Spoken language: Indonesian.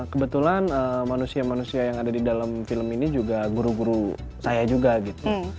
kebetulan manusia manusia yang ada di dalam film ini juga guru guru saya juga gitu